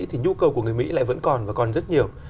thì nhu cầu của người mỹ lại vẫn còn và còn rất nhiều